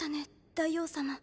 大王様。